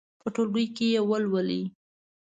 په ټولګي کې یې ولولئ.